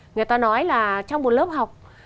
người ta nói là trong một lớp học